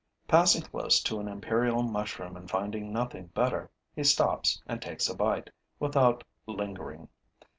Passing close to an imperial mushroom and finding nothing better, he stops and takes a bite, without lingering.